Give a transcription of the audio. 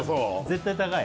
絶対高い？